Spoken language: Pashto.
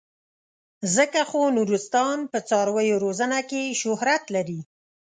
ځکه خو نورستان په څارویو روزنه کې شهرت لري.